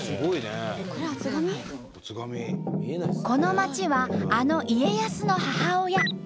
この町はあの家康の母親